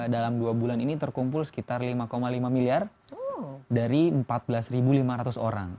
dalam dua bulan ini terkumpul sekitar lima lima miliar dari empat belas lima ratus orang